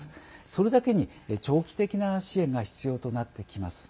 それだけに、長期的な支援が必要となってきます。